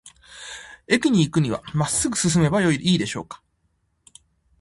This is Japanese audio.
駅に行くには、まっすぐ進めばいいでしょうか。